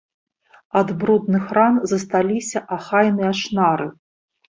Ад брудных ран засталіся ахайныя шнары.